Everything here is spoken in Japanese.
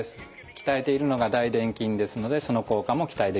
鍛えているのが大でん筋ですのでその効果も期待できると思います。